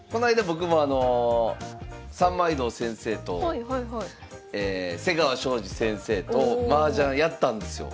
僕もあの三枚堂先生と瀬川晶司先生とマージャンやったんですよ。